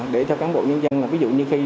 để cho cán bộ nhân dân là ví dụ như khi